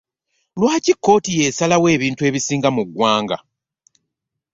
Lwaki kkooti yesalawo ebintu ebisinga mu ggwanga?